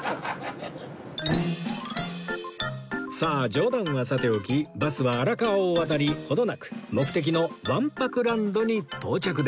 さあ冗談はさておきバスは荒川を渡り程なく目的のわん泊ランドに到着です